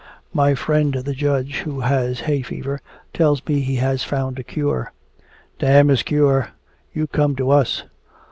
"My friend the Judge, who has hay fever, tells me he has found a cure." "Damn his cure! You come to us!"